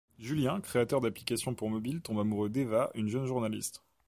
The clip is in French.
Julien, créateur d’applications pour mobile tombe amoureux d'Eva, une jeune journaliste.